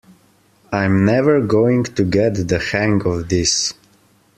I’m never going to get the hang of this.